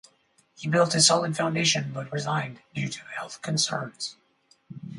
He built a solid foundation but resigned due to health concerns.